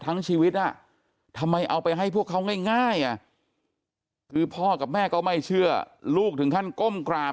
ทั้งชีวิตทำไมเอาไปให้พวกเขาง่ายคือพ่อกับแม่ก็ไม่เชื่อลูกถึงขั้นก้มกราบ